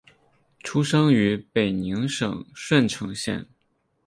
出生于北宁省顺成县。